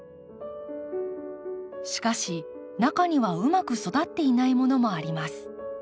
しかし中にはうまく育っていないものもあります。